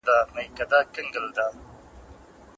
د تولیدي مؤسسو چارې روانې دي.